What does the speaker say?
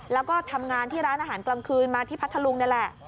แล้วก็ทำงานที่ร้านอาหารกลางคืนมาที่พัทธลุงนี่แหละ